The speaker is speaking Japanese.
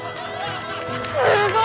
すごい！